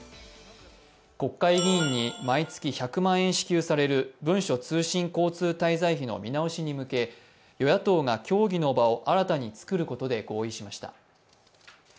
国会議員に毎月１００万円支給される文書通信交通滞在費の見直しに向け与野党が協議の場を新たに作ることで合意しました。